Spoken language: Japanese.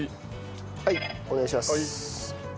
はいお願いします。